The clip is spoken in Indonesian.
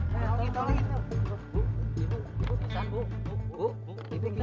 kepala aku pusing